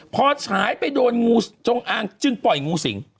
พอฉายไปโดนงูจงอางจึงปล่อยงูสิง